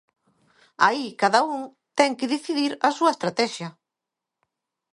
Aí cada un ten que decidir a súa estratexia.